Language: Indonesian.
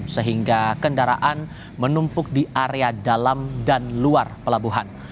sehingga kendaraan menumpuk di area dalam dan luar pelabuhan